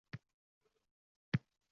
Qosh, ko’zlaring otangga o’xshar.